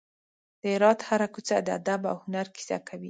د هرات هره کوڅه د ادب او هنر کیسه کوي.